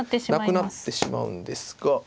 なくなってしまうんですが。